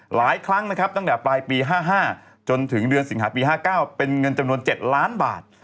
หลายครั้งนะครับตั้งแต่ปลายปี๕๕จนถึงเดือนสิงหาปี๕๙เป็นเงินจำนวน๗ล้านบาท